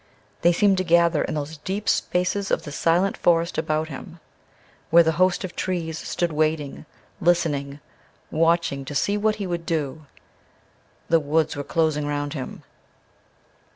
They seemed to gather in those deep spaces of the silent forest about him, where the host of trees stood waiting, listening, watching to see what he would do. The woods were closing round him.